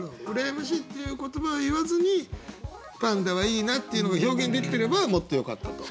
「羨ましい」っていう言葉は言わずにパンダはいいなっていうのが表現できてればもっとよかったと。